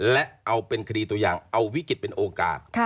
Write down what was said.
และเอาเป็นคดีตัวอย่างเอาวิกฤตเป็นโอกาส